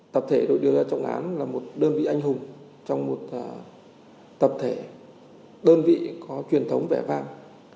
tập thể đội điều tra trọng án là một đơn vị anh hùng trong một tập thể đơn vị có truyền thống vẻ vang